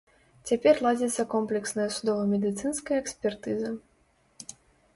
Цяпер ладзіцца комплексная судова-медыцынская экспертыза.